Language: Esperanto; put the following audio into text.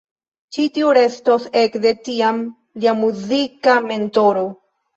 Ĉi tiu restos ekde tiam lia muzika mentoro.